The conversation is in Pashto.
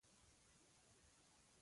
چای د زړونو نرموالی راولي